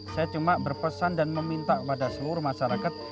saya cuma berpesan dan meminta kepada seluruh masyarakat